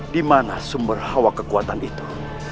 di mana sumber hawa kekuatan itu